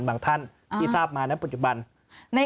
ท่านที่ทราบมาณปัจจุบัน